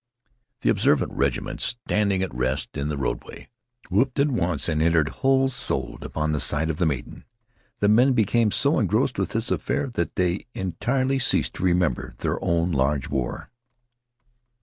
The observant regiment, standing at rest in the roadway, whooped at once, and entered whole souled upon the side of the maiden. The men became so engrossed in this affair that they entirely ceased to remember their own large war.